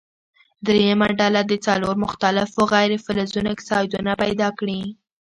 دریمه ډله دې څلور مختلفو غیر فلزونو اکسایدونه پیداکړي.